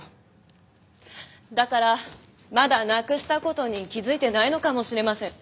だからまだなくした事に気づいてないのかもしれません。